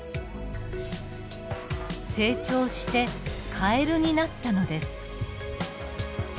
成長してカエルになったのです。